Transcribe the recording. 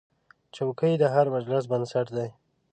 چوکۍ د هر مجلس بنسټ دی.